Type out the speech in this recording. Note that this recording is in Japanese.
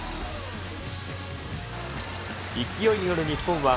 勢いに乗る日本は、